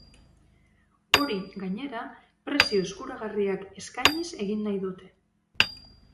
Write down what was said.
Hori, gainera, prezio eskuragarriak eskainiz egin nahi dute.